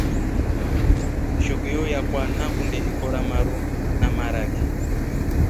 Shokio yakwa nakundi ikoro maru na maraki.